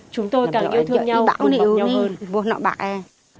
chúng tôi càng yêu thương nhau tùm bọc nhau hơn